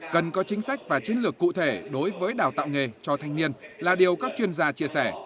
cần có chính sách và chiến lược cụ thể đối với đào tạo nghề cho thanh niên là điều các chuyên gia chia sẻ